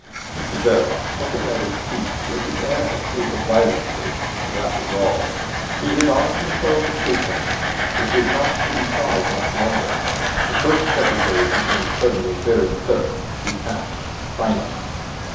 Mr Verloc, puffing out his cheeks, let the air escape violently, and that was all. He had armed himself with patience. It was not to be tried much longer. The First Secretary became suddenly very curt, detached, final.